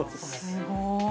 ◆すごい。